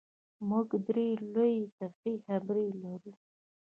موږ درې لویې ترخې خبرې لرو: